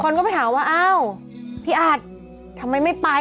คนก็ไปถามว่าเอ้าพี่อัจทำไมไม่ไปอ่ะ